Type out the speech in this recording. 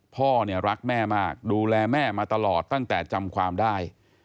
พ่อเนี่ยรักแม่มากดูแลแม่มาตลอดตั้งแต่จำความได้